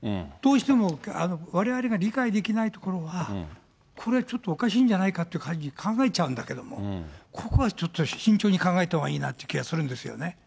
どうしてもわれわれが理解できないところは、これはちょっとおかしいんじゃないかという感じに考えちゃうんだけれども、ここはちょっと慎重に考えたほうがいいなっていう気がするんです